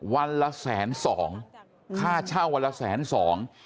วันละแสนสองค่าเช่าวันละแสนสอง